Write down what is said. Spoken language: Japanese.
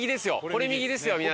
これ右ですよ皆さん。